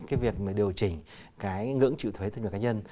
cái việc điều chỉnh cái ngưỡng trịu thuế thu nhập cá nhân